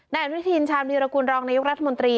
ในอันดับประชาชนิดขึ้นชาวมีรกูลรองนายุครัฐมนตรี